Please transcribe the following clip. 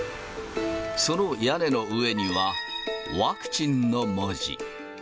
その屋根の上には、ワクチンの文字。